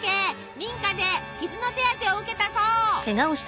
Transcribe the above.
民家で傷の手当てを受けたそう。